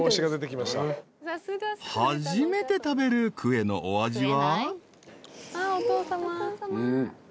［初めて食べるクエのお味は］